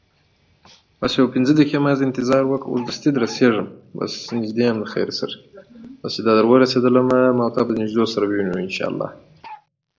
The inters are differently performed.